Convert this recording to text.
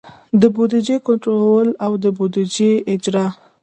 د بودیجې کنټرول او د بودیجې اجرا.